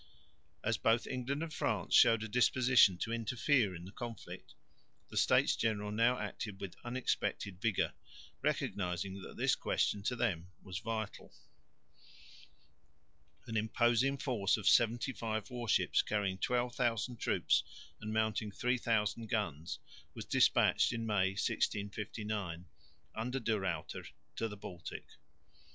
As both England and France showed a disposition to interfere in the conflict, the States General now acted with unexpected vigour, recognising that this question to them was vital. An imposing force of seventy five warships, carrying 12,000 troops and mounting 3000 guns, was despatched in May, 1659, under De Ruyter to the Baltic.